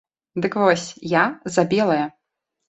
Дык вось, я за белае!